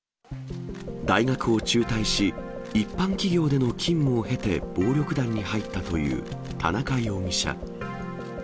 大学を中退し、一般企業での勤務を経て暴力団に入ったという田中容疑者。